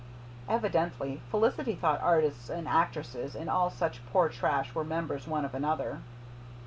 Evidently Felicity thought artists and actresses and all such poor trash were members one of another.